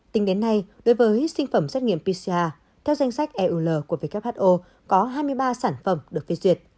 tính đến nay đối với sinh phẩm xét nghiệm pcr theo danh sách eul của who có hai mươi ba sản phẩm được phê duyệt